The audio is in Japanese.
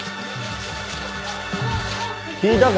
聞いたか？